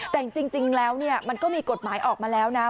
แต่จริงแล้วเนี่ยมันก็มีกฎหมายออกมาแล้วนะ